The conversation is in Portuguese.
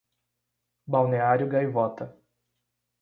Balneário Gaivota